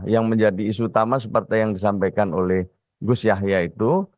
yang menjadi isu utama seperti yang disampaikan oleh gus yahya itu